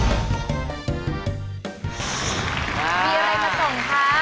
อีกหน่อย